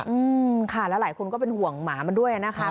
อืมค่ะแล้วหลายคนก็เป็นห่วงหมามันด้วยนะคะ